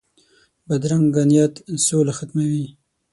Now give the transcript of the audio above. بدرنګه نیت سوله ختموي